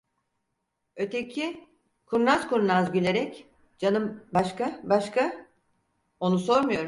Öteki, kurnaz kurnaz gülerek: "Canım başka, başka… Onu sormuyorum."